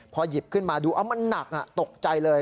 พอหยิบขึ้นมาดูเอามันหนักตกใจเลย